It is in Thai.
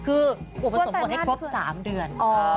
คือปรบประจำแรก๓เดือน